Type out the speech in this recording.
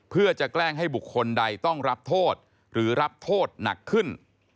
เพื่อจะแกล้งให้บุคคลใดต้องรับโทษหรือรับโทษหนักขึ้น